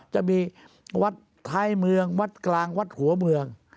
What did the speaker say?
จะมีวัดท้ายเมืองวัดกลางวัดหัวเมือง